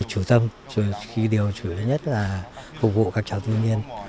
chủ tâm điều chủ yếu nhất là phục vụ các cháu thư niên